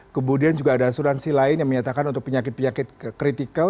kemudian juga ada asuransi lain yang menyatakan untuk penyakit penyakit kritikal